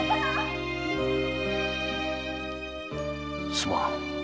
すまん。